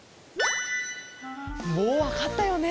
もうわかったよね？